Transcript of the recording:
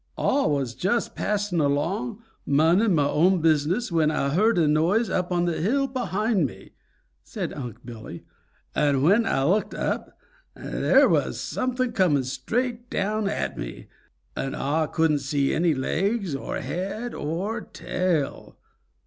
"Ah was just passing along, minding mah own business, when Ah heard a noise up on the hill behind me," said Unc' Billy, "and when Ah looked up, there was something coming straight down at me, and Ah couldn't see any legs or head or tail."